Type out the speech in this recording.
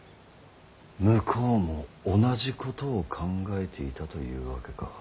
向こうも同じことを考えていたというわけか。